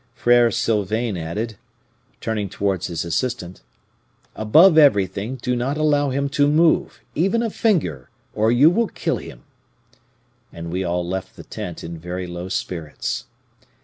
Frere Sylvain added, turning towards his assistants, 'Above everything, do not allow him to move, even a finger, or you will kill him;' and we all left the tent in very low spirits.